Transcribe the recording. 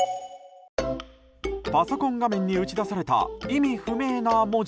パソコン画面に打ち出された意味不明な文字。